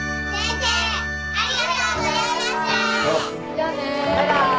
じゃあね。バイバイ。